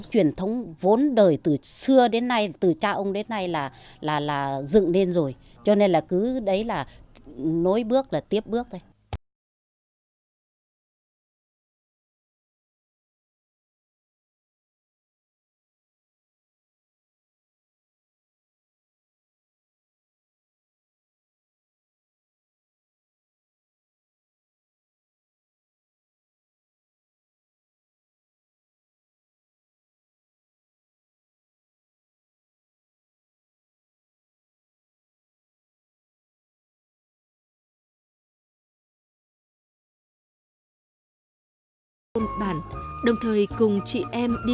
chuyển thống vốn đời từ xưa đến nay từ cha ông đến nay là dựng lên rồi cho nên là cứ đấy là nối bước là tiếp bước thôi